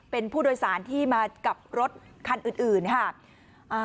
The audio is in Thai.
เป็นผู้โดยสารที่มากับรถคันอื่นอื่นค่ะ